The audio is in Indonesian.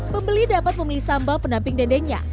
pembeli dapat memilih sambal pendamping dendengnya